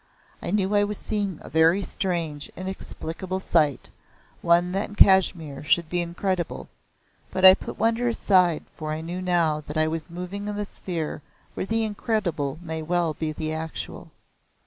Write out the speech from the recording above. I knew I was seeing a very strange inexplicable sight one that in Kashmir should be incredible, but I put wonder aside for I knew now that I was moving in the sphere where the incredible may well be the actual.